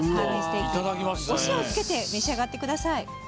お塩をつけて召し上げってください。